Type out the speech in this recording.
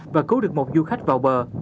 và cứu được một du khách vào bờ